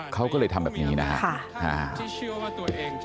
เขาก็เลยทำแบบนี้นะฮะ